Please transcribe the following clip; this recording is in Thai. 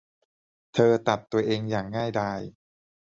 เธอตัดตัวเองอย่างง่ายดาย